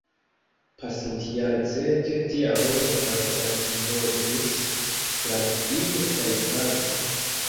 Pasintjarcente tia homo malsatmortus, trankvile kaj pace.